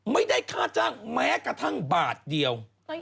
ไม่ได้ค่าจ้างแม้กระทั่งบาทเดียว